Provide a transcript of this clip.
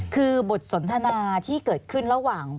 คือบทสนทนาที่เกิดขึ้นระหว่าง